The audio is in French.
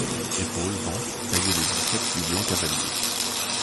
Épaule, ventre, tailler le biceps du blanc cavalier.